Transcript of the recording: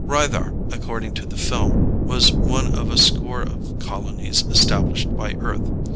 Rythar, according to the film, was one of a score of colonies established by Earth.